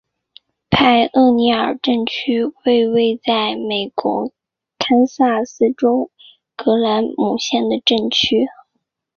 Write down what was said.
派厄尼尔镇区为位在美国堪萨斯州葛兰姆县的镇区。